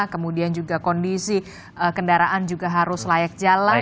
kemudian juga kondisi kendaraan juga harus layak jalan